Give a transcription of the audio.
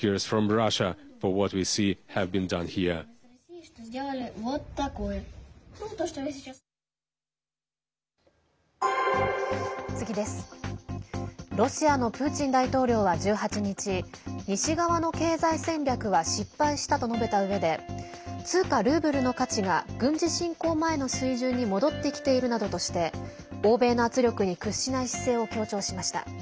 ロシアのプーチン大統領は１８日西側の経済戦略は失敗したと述べたうえで通貨ルーブルの価値が軍事侵攻前の水準に戻ってきているなどとして欧米の圧力に屈しない姿勢を強調しました。